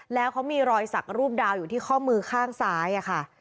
แล้วเขามีรอยสักรูปดาวอยู่ที่ข้อมือข้างซ้ายค่ะ